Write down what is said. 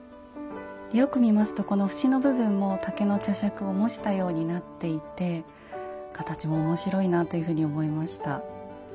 よく見ますとこの節の部分も竹の茶杓を模したようになっていて形も面白いなというふうに思いました。